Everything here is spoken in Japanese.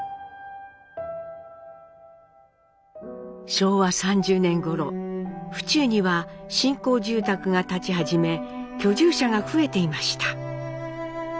昭和３０年ごろ府中には新興住宅が建ち始め居住者が増えていました。